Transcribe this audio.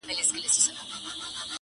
• د مچانو او ډېوې یې سره څه,